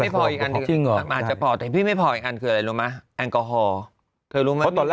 ประมาณจะพอเพียงพี่ไม่พออีกอันคืออะไรรู้ไหมแอลกอฮอล์